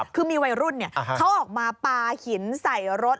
คือมีวัยรุ่นเขาออกมาปลาหินใส่รถ